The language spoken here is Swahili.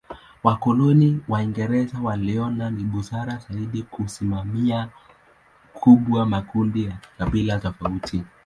Wakoloni Waingereza waliona ni busara zaidi ya kusimamia kubwa makundi ya kikabila tofauti.